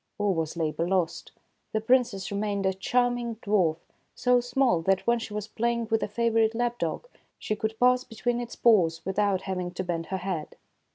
All was labor lost. The Princess re mained a charming dwarf, so small that, when she was play ing with a favorite lap dog, she could pass between its paws without having to bend her head.